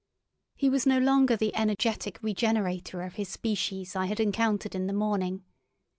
He was no longer the energetic regenerator of his species I had encountered in the morning.